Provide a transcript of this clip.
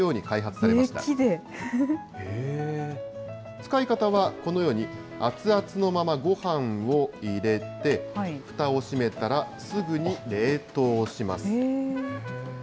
使い方はこのように熱々のままごはんを入れて、ふたを閉めたら、すぐに冷凍します。